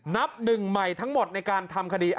นับหนึ่งใหม่ทั้งหมดในการทำคดี